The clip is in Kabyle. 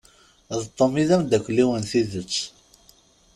D Tom i d amdakel-iw n tidett.